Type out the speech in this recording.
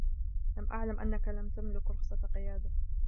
لَم أعلَم أنَّكَ لَمْ تَملُك رُخصةَ قِيادةٍ